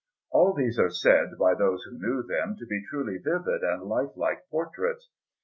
All these are said, by those who knew them, to be truly vivid and lifelike portraits.